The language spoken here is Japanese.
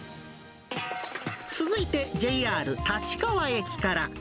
続いてＪＲ立川駅から。